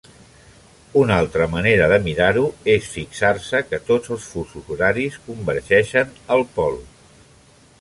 Una altra manera de mirar-ho és fixar-se que tots els fusos horaris convergeixen al pol.